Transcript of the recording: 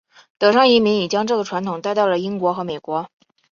德裔移民也将这个传统带到了英国和美国。